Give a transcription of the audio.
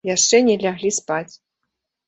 Яшчэ не ляглі спаць.